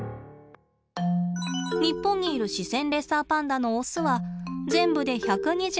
日本にいるシセンレッサーパンダのオスは全部で１２１頭です。